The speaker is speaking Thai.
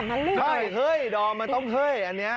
เฮ้ยเฮ้ยเฮ้ยดอมมาตรงเฮ้ยอันเนี้ย